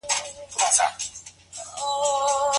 تر مرګ وروسته د روح تګ جنت او جهنم ته ثابت دي.